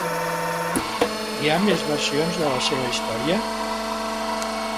Hi ha més versions de la seva història?